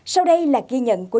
sau đây là ghi nhận